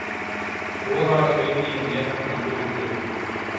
போராட வேண்டிய நேரம் வந்துவிட்டது.